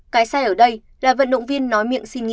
cái sai ở đây là vận động viên nói miệng xin nghỉ